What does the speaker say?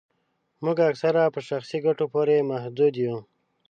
موږ اکثره په شخصي ګټو پوري محدود یو